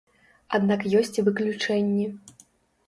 Аднак ёсць і выключэнні.